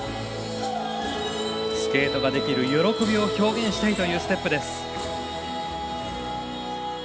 スケートができる喜びを表現したいというステップです。